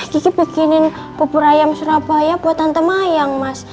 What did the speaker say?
kiki bikinin pupur ayam surabaya buat tante mayang mas